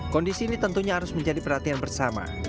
kondisi ini tentunya harus menjadi perhatian bersama